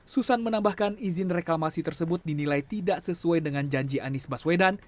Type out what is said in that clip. susan menambahkan izin reklamasi tersebut dinilai tidak sesuai dengan janji anies baswedan